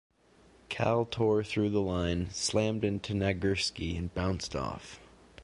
Cal tore through the line, slammed into Nagurski and bounced off.